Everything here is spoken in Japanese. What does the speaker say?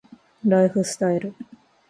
ライフスタイル